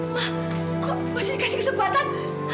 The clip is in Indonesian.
wah kok masih dikasih kesempatan